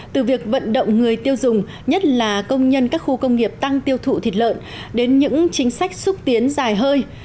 từ việc vận động người tiêu dùng nhất là công nhân các khu công nghiệp tăng tiêu thụ thịt lợn đến những chính sách xúc tiến dài hơi